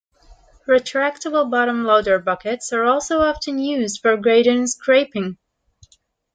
Retractable-bottom loader buckets are also often used for grading and scraping.